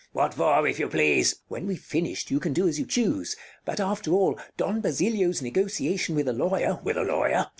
Bartolo What for, if you please? Count When we've finished, you can do as you choose. But after all, Don Basilio's negotiation with a lawyer Bartolo With a lawyer?